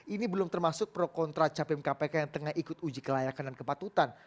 ini belum termasuk pro kontra capim kpk yang tengah ikut uji kelayakan dan kepatutan